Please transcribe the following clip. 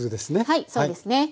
はいそうですね。